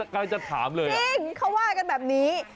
ใกล้จะถามเลยจริงเขาว่ากันแบบนี้